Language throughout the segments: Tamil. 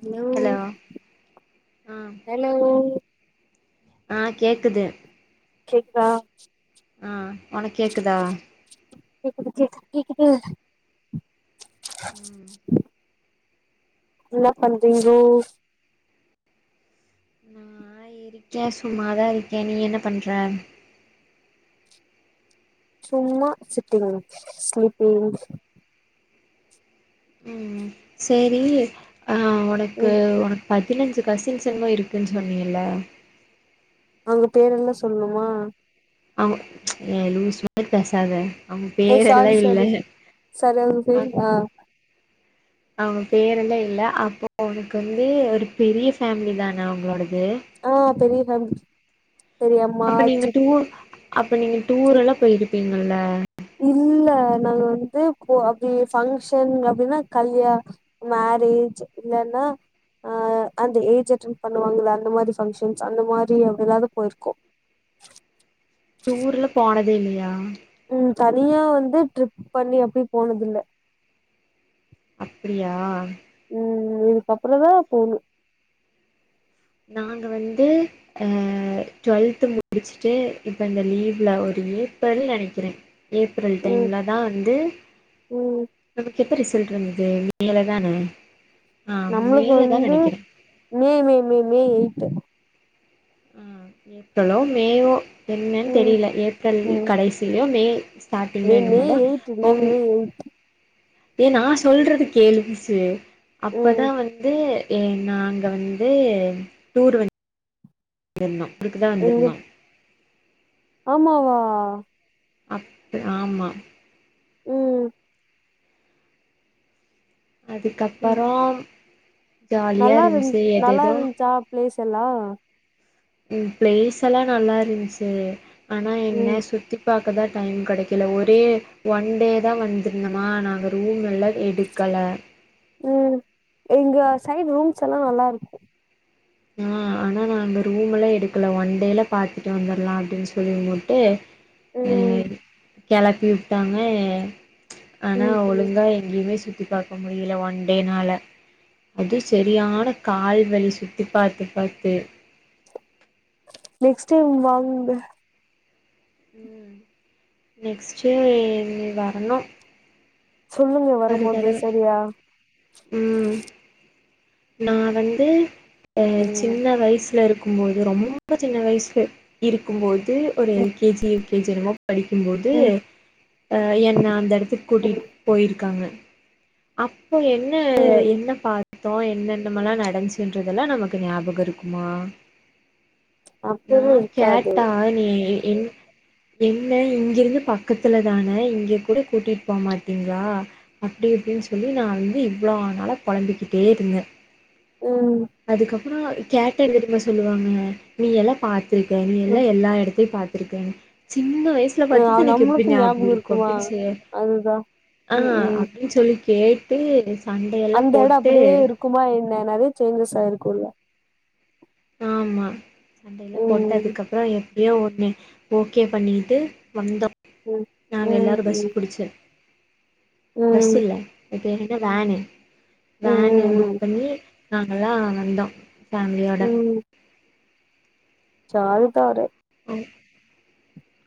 ஹலோ ஆ ஹலோ ஆ கேக்குது கேக்குதா ஆ ஒனக்கு கேக்குதா கேக்குது கேக் கேக்குது ம் என்ன பண்றீங்கோ ச்ச சும்மாதான் இருக்கேன் நீ என்ன பண்ற சும்மா சிட்டிங் ஸ்லீப்பிங் ம் செரி அ உனக்கு ம் உனக் பதினஞ்சு கசின்ஸ்மும் இருக்குதுன்னு சொன்னீல அங்க பேர்ல்லாம் சொல்னுமா ஆமா ஏய் லூசு மாரி பேசாத அவ ஏ சாரி பேர்ல்லாம் இல்ல சாரி சாரி அவங்க அ பேரு ஆ அவுங்க பேரெல்லாம் இல்லை அப்போ அவனுக்கு வந்து ஒரு பெரிய ஃபேமிலி தான அவுங்களோடது ஆ பெரிய ஃபேமி அப்ப நீங்க டூர் அப்ப நீங்க சித்தி டூர் எல்லாம் போயிருப்பீங்கல்ல இல்ல நாங்க வந்து போ அப்டி ஃபங்க்ஷன் அப்படின்னா கல்யா மேரேஜ் இல்லன்னா அ அந்த ஏஜ் அட்டென்ட் பண்ணுவாங்க அந்த மாரி ஃபங்கஷன்ஸ் அந்த மாரி அப்டிதா எதாது போயிருக்கோ டூர்ல போனதே இல்லையா ம் தனியா வந்து ட்ரிப் பண்ணி அப்டி போனது இல்ல அப்டியா உம் இதுக்கப்புறம் தான் போணு நாங்க வந்து அ டுவெல்த்து முடிச்சுட்டு இப்ப இந்த லீவ்ல ஒரு ஏப்ரல் நெனைக்குறே ஏப்ரல் ம் டைம்லதா வந்து ம் எப்ப ரிசல்ட்டு வந்துது மே லதானே ஆ மே நம்மளுக்கு லதா வந்து நெனைக்கிறே மே மே மே மெய்யெழுத்து. ம்ம் ஏப்ரலோ மேயோ. என்னன்னு ம் தெரியுல ஏப்ரல் ம் கடைசியிலயோ மே மே ஸ்டார்டிங்ல மே என்னமோதா எயிட்டு தோனு [unintelligible] ஏ நா சொல்றது கேளு லூசு ம் அப்பதா வந்து ஏ நாங்க வந்து டூர் வந்து வந்துர்ந்தோ அதுக்குதா எங்க வந்துர்ந்தோ ஆமாவா அப்ப ஆமா ம் ம் அதுக்கப்புறோ நல்லா இருந்து நல்லா இருந்துச்சா பிளேஸெல்லா பிளேஸ் எல்லா நல்லா இருந்துச்சு ஆனா ம் என்ன சுத்தி பாக்க தா டைம் கடைக்கல ஒரே ஒன் டே தா வந்துருந்தமா நாங்க ரூம் எல்லா எடுக்கல ம் எங்க சைட் ரூம்ஸ் எல்லா நல்லா இருக்கோ ஆ ஆனா நா அங்க ரூம் எல்லா எடுக்கல ஒன் டேல பாத்துட்டு வந்துரலா அப்டின்னு சொல்லிமுட்டு ம் கெளப்பி வுட்டாங்க ஆனா ம் ம் ஒழுங்கா எங்கயுமே சுத்தி பாக் க முடியுல ஒன் டேனால அது சரியான கால் வலி சுத் தி பாத்து பாத்து நெக்ஸ்டு டைம் வாங்க ம் நெக்ஸ்ட்டே நீ வரணோ சொல்லுங்க வரும்போது சரியா ம் நா வந்து எங்க ம் சின்ன வயசுல இருக் இருக்கும்போது ரொம்ப சின்ன வயசுல இருக்கும்போது ஒரு L K G U K G ருக்குமோ படிக்கும்போது ம் அ என்ன அந்த எடத்துக்கு ம் கூட்டிட்டு போயிருக்காங்க அப்ப என்ன ம் என்ன பா த்தோ என்னென்னமெல்லா நடஞ்சின்றதெல்லா நமக்கு ஞாபகோ இருக்குமா நா அப்பிடில்லா இருக்காது கேட்டா நீ என் ன இங்கிருந்து பக்கத்துல தானே இங்க கூட கூட்டிட்டு போமாட்டீங்களா அப்டி இப்டீன்னு சொல்லி நா வந்து இவ்ளோனால பொளம்பிக்கிட்டே இருந்தே ம் அதுக்கப்புறோ கேட்ட என்ன தெரியுமா சொல்லுவாங்க நீ எல்லா பாத் இருக்கே ம் நீயுல்ல எல்லா எடத்தையு பாத்திருக்கே சின்ன வயசு வீட்ல ஆ பச்ச தண்ணிக்கு எப்டி நம்மளுக்கு ஞாப ஞாபகம் இருக்கோ இருக்குமா அப்டீன்னு அதுதா ஆ ம் ம் அப்டீன்னு சொல்லி கேட்டு சண்டையெல்லா போட்டு குமா என்ன நறைய சேஞ்சஸ் ஆயிரோக்குல்ல ஆமா சண்டையிலா போட்டு ம் அதுக்கப்புறோ அப்புறோ எப்டியோ ஒன்னே ஓகே பண்ணிட்டு வந்தோ ம் நாங்க ம் எல்லாரு பஸ் ம் புடிச்சு பஸ்ஸு ம் ம் இல்ல எனக்கு தெரிஞ்சு வேனு வேனு ம் ம் புக் பண்ணி நாங்கல்லா வந்தோ ஃபேமிலியோட ஜால தாரு ஆ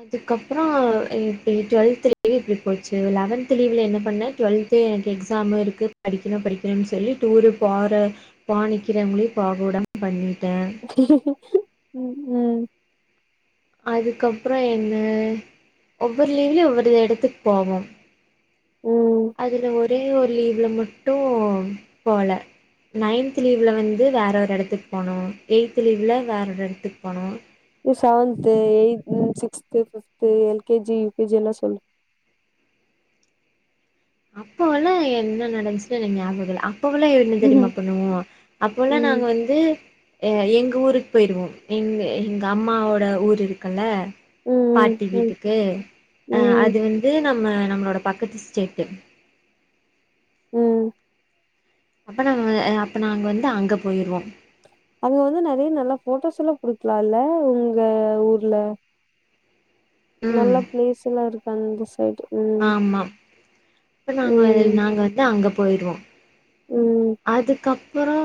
அதுக்கப்றோ இப்பிடி டுவெல்த் லீவு இப்பிடி போச்சு லெவன்த் லீவ்ல என்ன பண்ண டுவெல்த் சேரி எனக்கு எக்ஸாம் இருக்கு படிக்கணு படிக்கணுனு சொல்லி டூரு போற பாணிக்கிறவங்ளியு போகவுடாம பண்ணிட்டே ம் ம் அதுக்கப்றோ என்ன ஒவ்வொரு லீவ்லியு ஒவ்வொரு இடத்துக்கு போவோ ம் அதுல ஒரே ஒரு லீவ்ல மட்டு போல நைன்த் லீவுல வந்து வேற ஒரு இடத்துக்கு போனோ எயி்த் லீவுல வேற ஒரு இடத்துக்கு போனோ seventh eighth sixth fifth L K G U K G எல்லா சொல்லு அப்போல்லா என்ன நடந்துச்சின்னு எனக்கு ஞாபகோல்ல அப்பெல்லா ஏனு ம் தெரியுமா பண்ணுவோ அப்போல்லா ம் நாங்க வந்து அ எங்க ஊருக்கு போய்ருவோ எங்க எங்க அம்மாவோட ஊரு இருக்குல்ல ம் பாட்டி ம் வீட்டுக்கு அ ம் அது வந்து நம்ம நம்மளோட பக்கத்து ஸ்டேட்டு ம் அப்ப நாஞ அப்ப நாங்க வந்து அங்க போய்ருவோ அங்க வந்து நறைய நல்லா ஃபோட்டோஸ்ல்லா புடிக்கலால உங்க ஊர்ல ம் நல்ல பிளேஸ் எல்லாருக்கு அந்த சைடு ம் ஆமா அப்ப நாங்க ம் நாங்க வந்து அங்க போய்ருவோ ம் அதுக்கப் றோ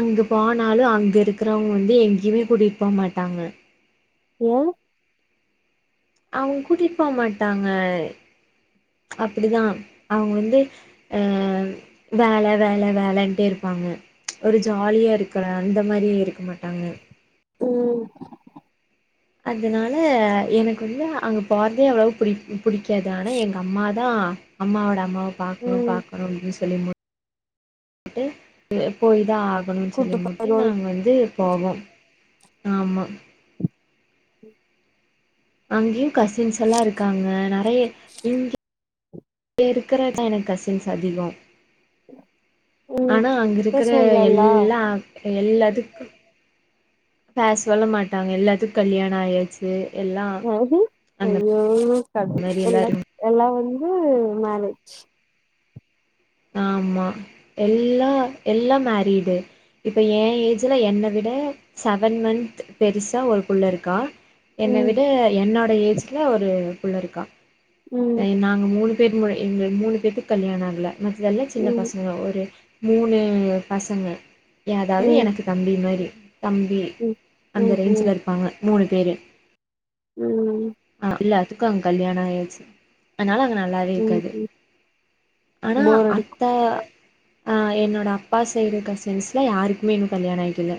அங்கு போனாலு அங்கு இருக்குறவுங்க வந்து எங்கியுமே கூட்டிட்டு போ மாட்டாங்க ஏ அவுங்க கூட்டிட்டு போ மாட்டாங்க அப்டிதா அவுங்க வந்து அ வேல வேல வேலன்ட்டே இருப்பாங்க ஒரு ஜாலியா இருக்கலா அந்த மாரி இருக்க மாட்டாங்க ம் அதனால எனக்கு வந்து அங்க போறதே அவ்ளவா புடிக் புடிக்காது ஆனா எங்க அம்மாதா அம்மாவோட அம்மாவ பாக்ணு ம் பாக்ணு அப்டி சொல்லி [inaudible] ட்டு போய்தா ஆகணுனு கூட்டு சொல்லிமுட்டு போயிருவோ நாங்க வந்து போவோ ஆமா ம் அங்கயு கசின்ஸ் எல்லா இருக்காங்க நெறைய இங்க இப்ப இருக்கிற தா எனக் கசின்ஸ் அதிகோ ம் ஆனா அங்க இருக்கிற எல்லா எல்லாத்துக்கு பேஸ்வல்லா மாட்டாங்க எல்லாத்துக்கு கல்யாணோ ஆயாச்சு கே எல்லா [unintelligible] அந்த ஐயோ கட மாரி எல்லா இருக்கு எல்லா வந்து மேரேஜ் ஆமா எல்லா எல்லா மேரிடு இப்ப ஏ ஏஜ்ல என்ன விட செவன் மந்த் பெருசா ஒரு புள்ளருக்கா என்ன ம் விட என்னோட ஏஜ்ல ஒரு புள்ளருக்கா ம் நாங்க மூணு பேர் எங்க மூணு பேத்துக்கு கல்யாணோ ஆகல மத்ததெல்லா சின்ன ம் பசங்க ஒரு மூணு பசங்க ய அதாவது ம் எனக்கு தம்பி மாரி தம்பி ம் அந்த ம் ரேஞ்ச்லருப்பாங்க மூணு பேரு ம் ம் ஆ இல்ல எல்லாத்துக்கு கல்யாணோ ஆயாச்சு அனால அங்க நல்லாவே ம் இருக்காது ம் ஆனா போர் அடிக்கு அத்த ஆ என்னோட அப்பா சைடு கசின்ஸலா யாருக்குமே இன்னு கல்யாணோ ஆய்க்கல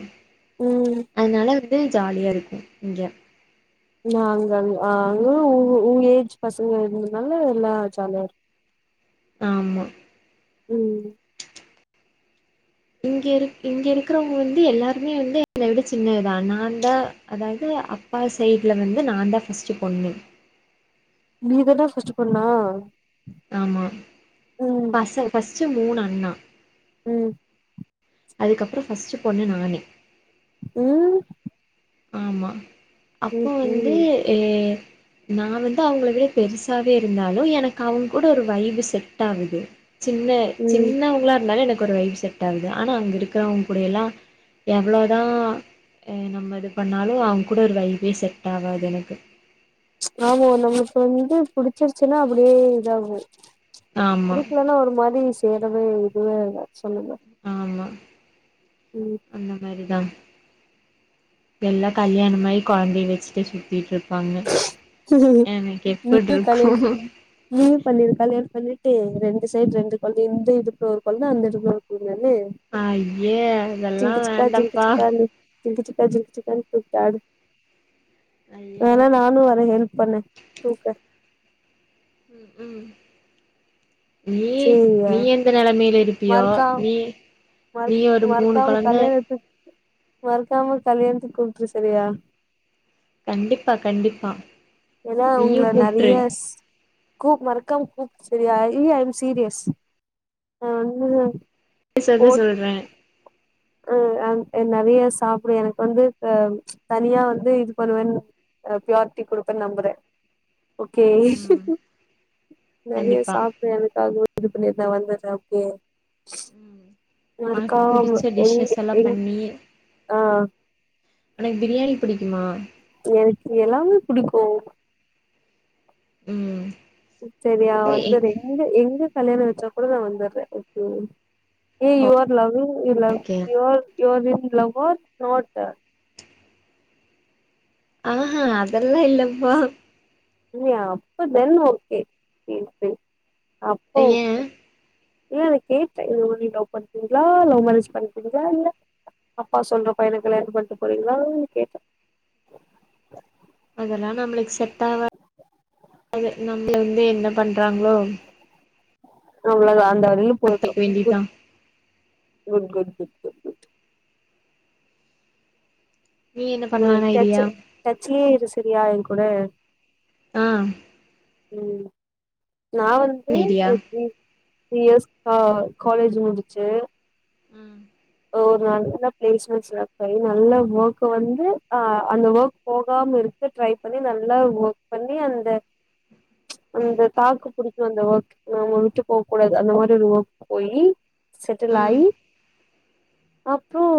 ம் அதனால வந்து ஜாலியா இருக்கு இங்க நா அங்கங்க அ உ உங்க ஏஜ் பசங்க இருந்தனால நல்லா ஜாலியாருக் ஆமா ம் இங்க இரு இங்க இருக்கிறவங்க வந்து எல்லாருமே வந்து என்ன விட சின்னதுதா நா தா அதாவது அக் அப்பா சைட்ல வந்து நா தா ஃபஸ்ட்டு பொண்ணு நீதானா பஸ்ட்டு பொண்ணா ஆமா ம் பசங் ஃபஸ்ட்டு மூணு அண்ணா ம் அதுக்கப்றோ ஃபஸ்ட்டு பொண்ணு நானு ம் ஆமா அப்போ ம்ஹும் வந்து ம் ஏ நா வந்து அவங்கள விட பெருசாவே இருந்தாலு எனக்கு அவங்க கூட ஒரு வைபு செட் ஆகுது சின்ன ம் சின்னவங்களா இருந்தாலு எனக்கு ஒரு வைப் செட் டாவுது ஆனா அங்க இருக்கிறவங்க கூட எல்லா எவ்ளோதா நம்ம இதுப் பண்ணாலு அவங்க கூட ஒரு வைபே செட் ஆகாது எனக்கு ஆமா நம்ளுக்கு வந்து புடிச்சிருச்சுன்னா அப்டியே இதாகு ஆமா புடிக்கலனா ஒரு மாரி சேரவே இதுவே சொல்லுங்க ஆமா ம் அந்த மாரிதா எல்லா கல்யாணமாயி கொழந்தைய வெச்சுட்டு சுத்திட்ருக் பாங்க எனக்கு நீயு கல்யாண எப்புட்ருக்கு நீயு பண்ணிரு கல்யாண பண்ணிட்டு ரெண்டு சைடு ரெண்டு கொழந்தய இந்த இடுப்புல ஒரு கொழந்த அந்த இடுப்புல ஒரு கொழந்தனு ஐயே அதெல்லா ஜிங்கு வேண்டாப்பா சிக்கான்னு ஜிங்கு ஜிக்கா ஜிங்கு ஜிக்கானு தூக்கிடு ஆடு ஐ வேணா நானு வரே ஹெல்ப் பண்ண தூக்க ம்க்கும் நீ சேரியா நீ எந்த நெலமையில இருப்பியோ மறக்காம நீ மறக் நீயொரு மூணு மறக்காம கொழந்த கல்யாணத்துக் மறக்காம கல்யாணத்துக்கு கூப்ட்ரு சரியா கண்டிப்பா கண்டிப்பா ஏனா நீயு உங்கள கூப்ட்ரு நெறைய ஸ் கூப் மறக்காம கூப் சரிய இல்ல ஐம் சீரியஸ் நா வந்துதா சாவே சொல்றே அ ஆ என் நெறைய சாப்ட எனக்கு வந்து தனியா வந்து இது பண்ணுவேன் பியாரிட்டி குடுப்பன் நம்பறே ஓகே ம் நெறைய கண்டிப்பா சாப்டு எனக்காகவே இது பண்ணிர்ந்தா வந்துர்ரே ஓக்கே மறக்காம டிஷஸ்ஸஸெல்லா பண்ணி உனக்கு பிரியாணி புடிக்குமா எனக்கு எல்லாமே புடிக்கு ம் செரியா வந்துற்றியா எங்க எங்க கல்யாணோ வெச்சா கூட நா வந்துற்றே okay your loving you love கேயா இ இவர இந்த லவோர் நோட ஆஹ்ஹ் அதெல்லாம் இல்லப்பா இல்ல அப்பத ஓகே அப்ப ஏ ஓகே ஏ கேட்டேன் லவ் பண்ணறீங்களா லவ் மேரேஜ் பண்ணிக்கீங்களா இல்ல அப்பா சொல்ற பையணங்களை என்ன பண்ணட்டு போறீங்களோ கேட்டேன் அதெல்லாம் நம்மளுக்கு செட்ட நம்ம வந்து என்ன பண்றாங்களோ அவ்ளோதான் அந்த வரையிலும் போயும் அத்தைக்கு கு வேண்டிதா கு கு கு நீ என்ன பண்ணலானா ஐடியா கச்சே இரு சரியா என் கூட ஆஹ் ம் நான் வந்து ஐடியா தரீ த்ரீ இயர்ஸ் ஆஹ காலேஜ் முடிச்சு ஆஹ் ஒரு நல்ல பிளேஸ்மெண்ட்ஸ் நல்ல ஒர்க் வந்து ஆஹ அந்த ஒர்க் போகாம இருக்கு ட்ரை பண்ணி நல்லா ஒர்க் பண்ணி அந்த அந்த தாக்கு புடிக்கும் அந்த ஒர்க் அவ விட்டு போக கூடாது அந்த மாதிரி ஒரு ஒர்க் போய் ம் செட்டலாய்யி அப்புறம்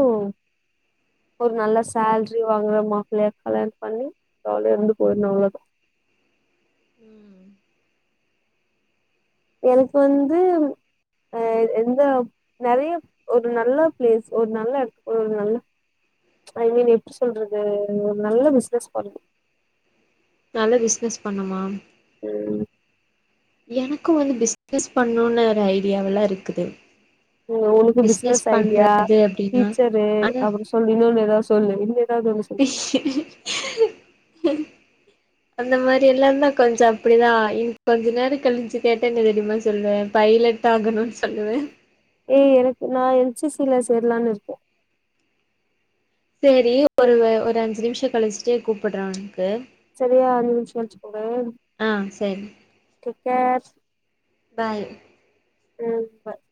ஒரு நல்ல சேல்ரி வாங்குற மாப்பிளை யா கல்யாணம் பண்ணி அவள இருந்து போயிரும் அவ்ளோதான் ம் எனக்கு வந்து அஹ எந்த நிறைய ஒரு நல்ல பிளேஸ் ஒரு நல்ல ஒரு நல்ல ஐ மீன் எப்படி சொல்றது நல்ல பிசினஸ் பாண்ணது நல்ல பிசினஸ் பண்ணமா ம் எனக்கும் வந்து பிசினஸ் பண்ணும்னு ஒரு ஐடியாவெல்லாம் இருக்குது உனக்கு பிஸ்னஸ் பிசினஸ் ஐடியா பண்றது அப்டின்னா டீச்சரு ஆனா அ சொல்லு இன்னொ ஏதாவது சொல்லு இன்ன ஏதாவது சொல்லு அந்த மாதிரி எல்லாம் தான் கொஞ்சம் அப்படிதான் இ கொஞ்ச நேரம் கழிஞ்சு கேட்டே ந தெரியமா சொல்லுவேன் பைலட் தாகணும்னு சொல்லுவேன் ஏய் எனக்கு நான் என்சில சேரலான்னு இருக்கேன் சரி ஒரு ஒரு அஞ்சு நிமிஷம் கழிச்சிட்டு கூப்பிடு்றோன் உனுக்கு சரியா நஷ போறன் ஆ சேரி பாய் ம் பாய்